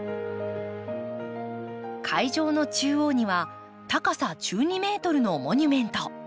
会場の中央には高さ１２ｍのモニュメント。